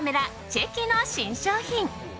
チェキの新商品。